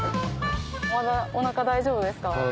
まだお腹大丈夫ですか？